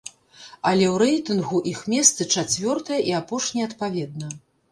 Але ў рэйтынгу іх месцы чацвёртае і апошняе адпаведна.